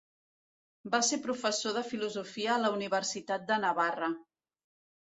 Va ser professor de filosofia a la Universitat de Navarra.